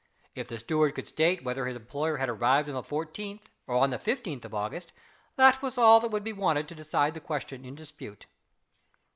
If the steward could state whether his employer had arrived on the fourteenth or on the fifteenth of August, that was all that would be wanted to decide the question in dispute.